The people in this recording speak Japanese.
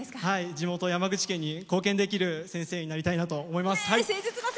地元・山口県に貢献できる先生になりたいなと思います。